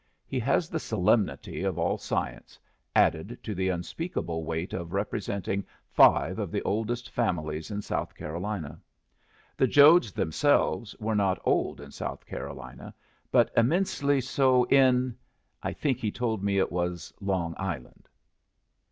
He has the solemnity of all science, added to the unspeakable weight of representing five of the oldest families in South Carolina. The Jodes themselves were not old in South Carolina, but immensely so in I think he told me it was Long Island.